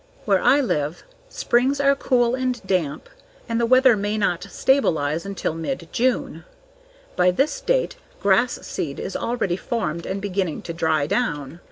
Where I live, springs are cool and damp and the weather may not stabilize until mid June. By this date grass seed is already formed and beginning to dry down.